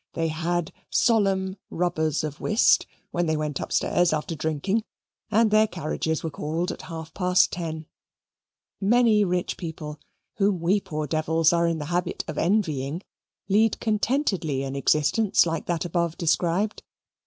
They had solemn rubbers of whist, when they went upstairs after drinking, and their carriages were called at half past ten. Many rich people, whom we poor devils are in the habit of envying, lead contentedly an existence like that above described.